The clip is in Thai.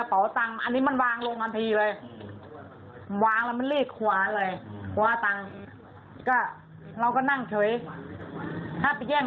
เอิ้นมั่งอยู่นี้สีเหลือง